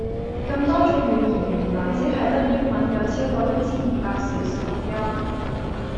咁多種語言原來只係得英文有超過一千二百小時錄音